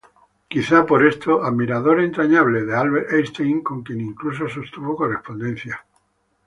Quizá por esto, admirador entrañable de Albert Einstein, con quien incluso sostuvo correspondencia.